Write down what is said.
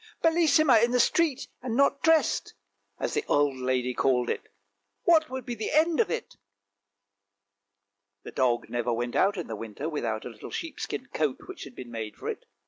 " Bellissima in the street and not dressed! " as the old lady called it, " what would be the end of it? " The dog never went out in the winter without a little sheep skin coat which had been made for it.